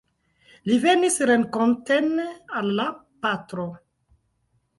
Li venis renkonten al la patro.